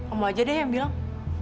kamu aja deh yang bilang